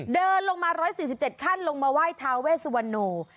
เดินลงมา๑๔๗ขั้นลงมาไหว้ทาเวสวันโน